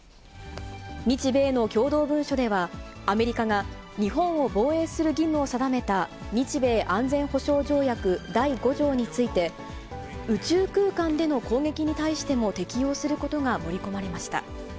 日米の共同文書では、アメリカが日本を防衛する義務を定めた日米安全保障条約第５条について、宇宙空間での攻撃に対しても適用することが盛り込まれました。